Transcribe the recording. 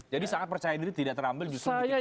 jadi sangat percaya diri tidak terambil justru dikitakan